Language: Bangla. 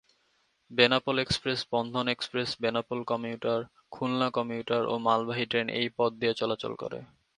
Benapole express, Bandhan express, Benapole commuter, Khulna commuter ও মালবাহী ট্রেন এই পথ দিয়ে চলাচল করে।